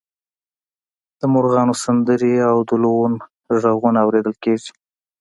د مرغانو سندرې او د لوون غږونه اوریدل کیږي